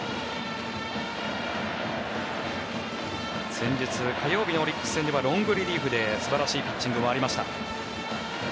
先日火曜日のオリックス戦ではロングリリーフで素晴らしいピッチングもありました。